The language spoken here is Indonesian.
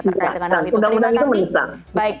terkait dengan hal itu terima kasih